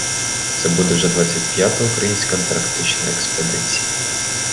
Це буде вже двадцять п'ята українська антарктична експедиція.